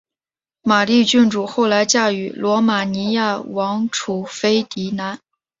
玛丽郡主后来嫁予罗马尼亚王储斐迪南。